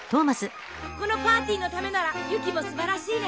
このパーティーのためなら雪もすばらしいね！